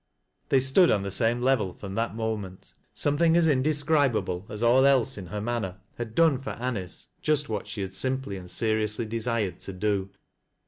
They stood on the same level from that moment. Something as indescribable as all else in her manner, had done for Anice just what she had simply and seriously desired to do.